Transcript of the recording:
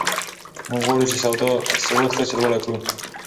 موږ غواړو چې د سواد کچه لوړه کړو.